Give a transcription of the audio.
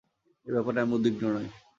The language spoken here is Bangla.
এই ব্যাপারে আমি উদ্বিগ্ন নই।